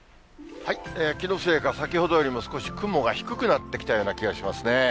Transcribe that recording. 気のせいか、先ほどよりも少し雲が低くなってきたような気がしますね。